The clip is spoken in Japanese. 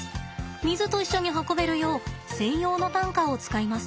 水と一緒に運べるよう専用の担架を使います。